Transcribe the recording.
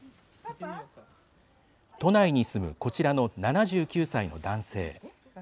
都内に住むこちらの７９歳の男性。